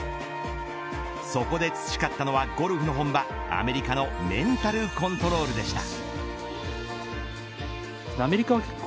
そこで培ったのはゴルフの本場アメリカのメンタルコントロールでした。